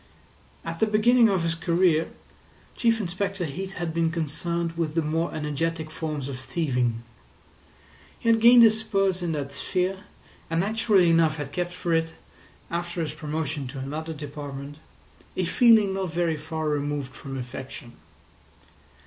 At the beginning of his career Chief Inspector Heat had been concerned with the more energetic forms of thieving. He had gained his spurs in that sphere, and naturally enough had kept for it, after his promotion to another department, a feeling not very far removed from affection.